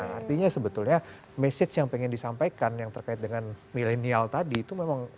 artinya sebetulnya message yang ingin disampaikan yang terkait dengan milenial tadi itu memang